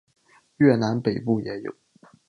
越南北部也有。